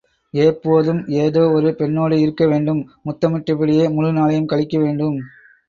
ஏப்போதும் ஏதோ ஒரு பெண்ணோடு இருக்க வேண்டும்... முத்தமிட்டபடியே முழு நாளையும் கழிக்க வேண்டும்.